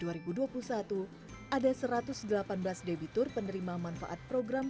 ada satu ratus delapan belas debitur penerima manfaat program